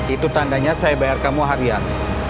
itu tandanya saya bayar kamu harian